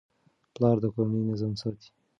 پلار د کورنۍ نظم ساتي.